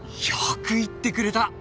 よく言ってくれた。